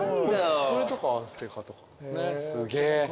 これとかアステカとかですね。